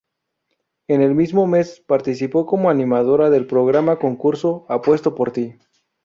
En el mismo mes participó como animadora del programa concurso "Apuesto por ti".